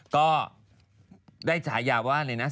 ก็ได้ฉายาว่าอะไรนะ